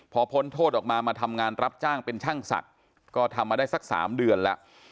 พอพ้นโทษออกมามาทำงานรับจ้างเป็นช่างศักดิ์ก็ทำมาได้สัก๓เดือนแล้ว